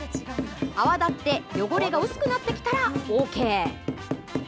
泡立って汚れが薄くなってきたらＯＫ。